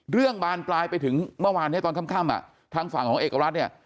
บานปลายไปถึงเมื่อวานเนี่ยตอนค่ำทางฝั่งของเอกรัฐเนี่ย